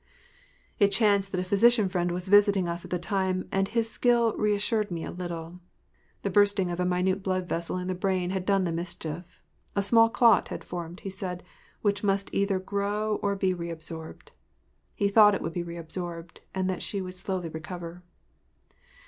It chanced that a physician friend was visiting us at the time and his skill reassured me a little. The bursting of a minute blood vessel in the brain had done the mischief. A small clot had formed, he said, which must either grow or be re absorbed. He thought it would be re absorbed and that she would slowly recover.